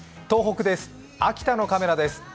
東北です、秋田のカメラです